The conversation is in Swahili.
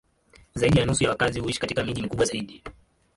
Zaidi ya nusu ya wakazi huishi katika miji mikubwa zaidi.